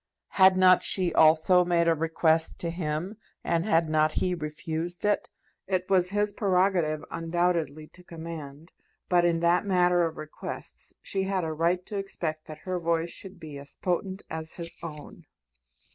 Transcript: Had not she also made a request to him, and had not he refused it? It was his prerogative, undoubtedly, to command; but in that matter of requests she had a right to expect that her voice should be as potent as his own.